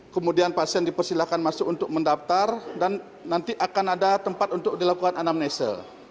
kemudian pasien dipersilahkan masuk untuk mendaftar dan nanti akan ada tempat untuk dilakukan anamnesel